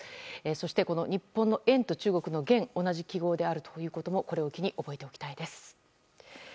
そして日本の円と中国の元同じ記号であることもこれを機に覚えておきたいです。